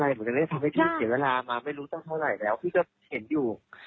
หนูจะได้ทำให้พี่เสียเวลามาไม่รู้ตั้งเท่าไหร่แล้วพี่ก็เห็นอยู่